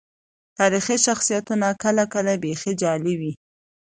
تاريخي شخصيتونه کله کله بيخي جعلي وي.